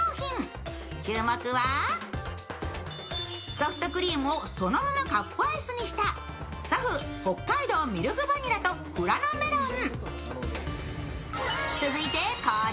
ソフトクリームをそのままカップアイスにしたＳｏｆ’北海道ミルクバニラと富良野メロン。